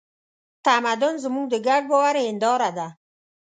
تمدن زموږ د ګډ باور هینداره ده.